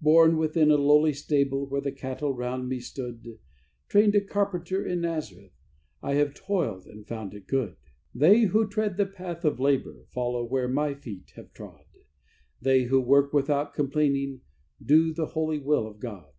"Born within a lowly stable, where the cattle round me stood, Trained a carpenter in Nazareth, I have toiled, and found it good. "They who tread the path of labour follow where my feet have trod; They who work without complaining do the holy will of God.